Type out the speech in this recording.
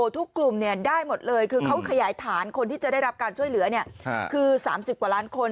ทุกกลุ่มได้หมดเลยคือเขาขยายฐานคนที่จะได้รับการช่วยเหลือคือ๓๐กว่าล้านคน